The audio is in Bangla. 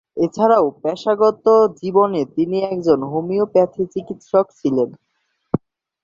এছাড়াও পেশাগত জীবনে তিনি একজন হোমিওপ্যাথি চিকিৎসক ছিলেন।